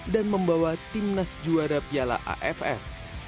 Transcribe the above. dan membawa timnas juara piala aff